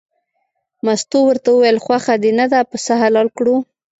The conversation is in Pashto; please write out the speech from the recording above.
مستو ورته وویل خوښه دې نه ده پسه حلال کړو.